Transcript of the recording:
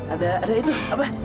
ada ada itu apa